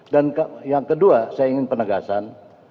dan yang kedua saya ingin penegasan